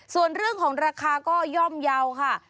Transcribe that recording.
ส่วนเรื่องของราคาก็ย่อมเยาว์ค่ะ